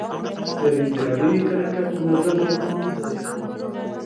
د ریل ګاډي حرکت منظم او خوندي دی.